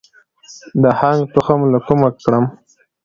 د هنګ تخم له کومه کړم؟